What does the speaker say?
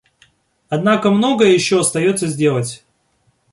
Однако многое еще остается сделать.